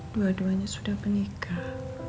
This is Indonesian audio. dua duanya sudah menikah